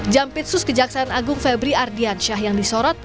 jampitsus kejaksaan agung febri ardiansyah yang disorot